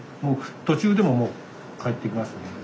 途中でももう帰ってきますね。